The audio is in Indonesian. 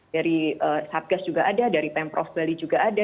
dari satgas juga ada dari pemprov bali juga ada